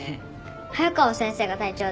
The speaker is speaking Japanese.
早川先生が隊長だよ。